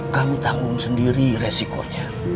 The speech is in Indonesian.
kamu tanggung sendiri resikonya